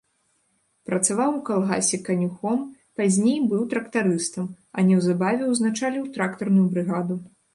Працаваў у калгасе канюхом, пазней быў трактарыстам, а неўзабаве ўзначаліў трактарную брыгаду.